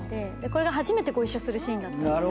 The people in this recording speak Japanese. これが初めてご一緒するシーンだったので。